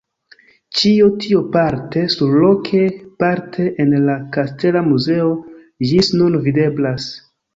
Ĉio tio parte surloke parte en la Kastela muzeo ĝis nun videblas.